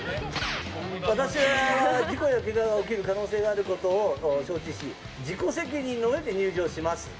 私は事故やけがを受ける可能性があることを承知し自己責任のうえで入場します。